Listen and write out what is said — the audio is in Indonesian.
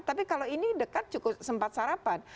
tapi kalau ini dekat cukup sempat sarapan